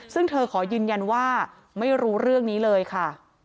ซึ่งเธอขอยืนยันว่าไม่รู้เรื่องนี้เลยค่ะ